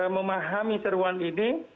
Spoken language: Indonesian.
memahami seruan ini